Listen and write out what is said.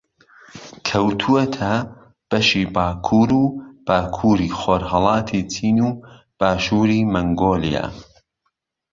کەوتووەتە بەشی باکوور و باکووری خۆڕھەڵاتی چین و باشووری مەنگۆلیا